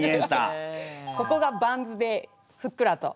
ここがバンズでふっくらと。